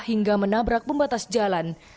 hingga menabrak pembatas jalan